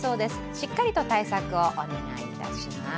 しっかりと対策をお願いいたします。